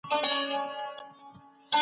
مالیه ورکول د هیواد د پرمختګ لپاره اړین دي.